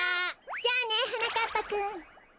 じゃあねはなかっぱくん。